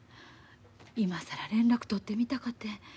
今更連絡取ってみたかて。